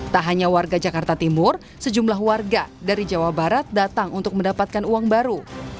tak hanya warga jakarta timur sejumlah warga dari jawa barat datang untuk mendapatkan uang baru